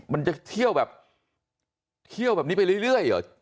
มันจะเที่ยวแบบนี้ไปเรื่อยเหรอ